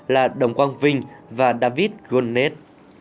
là đồng quang vinh và david golnet